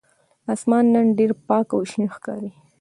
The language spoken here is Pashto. آسمان نن ډېر پاک او شین ښکاري.